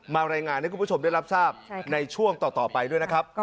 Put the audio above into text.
รายงานให้คุณผู้ชมได้รับทราบในช่วงต่อไปด้วยนะครับ